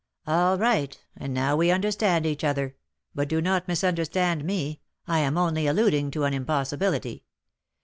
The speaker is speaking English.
"All right; and now we understand each other; but do not misunderstand me, I am only alluding to an impossibility.